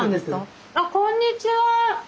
あっこんにちは。